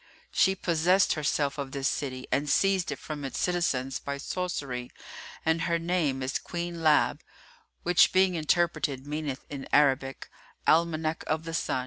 She possessed herself of this city and seized it from its citizens by sorcery and her name is Queen Láb, which being interpreted, meaneth in Arabic 'Almanac of the Sun.